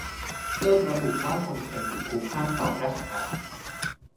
เลิกระบุว่าคนเคยติดคุกห้ามสอบราชการ